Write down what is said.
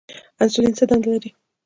انسولین څه دنده لري؟